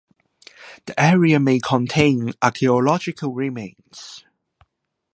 The area may contain archaeological remains.